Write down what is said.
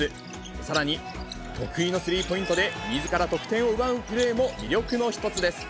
さらに、得意のスリーポイントで、みずから得点を奪うプレーも魅力の一つです。